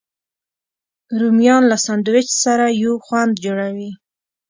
رومیان له سنډویچ سره یو خوند جوړوي